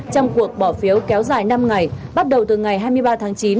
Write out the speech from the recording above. trong cuộc bỏ phiếu kéo dài năm ngày bắt đầu từ ngày hai mươi ba tháng chín